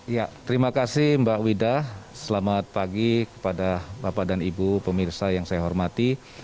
ya terima kasih mbak widah selamat pagi kepada bapak dan ibu pemirsa yang saya hormati